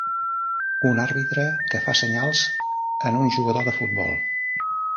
Un àrbitre que fa senyals en un jugador de futbol.